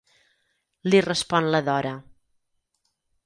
Li respon la Dora.